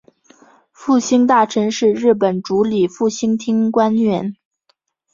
复兴大臣是日本主理复兴厅的官员。